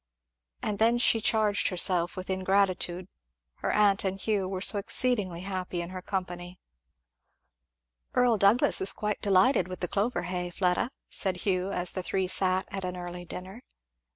And then she charged herself with ingratitude, her aunt and Hugh were so exceedingly happy in her company. "Earl Douglass is quite delighted with the clover hay, Fleda," said Hugh, as the three sat at an early dinner.